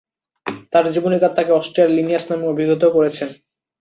তার জীবনীকার তাকে "অস্ট্রিয়ার লিনিয়াস" নামে অভিহিত করেছেন।